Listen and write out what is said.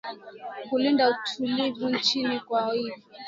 kulinda utulivu nchini kwa hivvyo